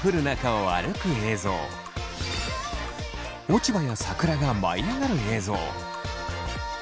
落ち葉や桜が舞い上がる映像。